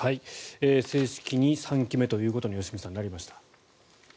正式に３期目ということに良純さん、なりました。